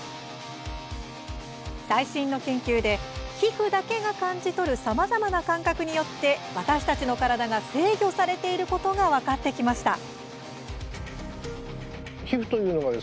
最新の研究で皮膚だけが感じ取るさまざまな感覚によって私たちの体が制御されていることが分かってきました。